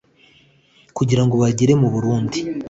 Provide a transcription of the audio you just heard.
kugira ngo bagere mu burundi